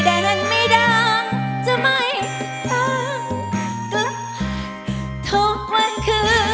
ด้านมิดางถ้าม้ายมาก